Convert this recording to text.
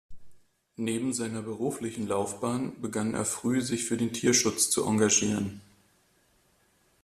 Neben seiner beruflichen Laufbahn begann er früh, sich für den Tierschutz zu engagieren.